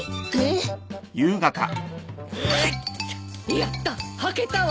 やったはけたわ！